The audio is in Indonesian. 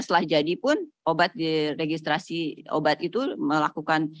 setelah jadi pun obat di registrasi obat itu melakukan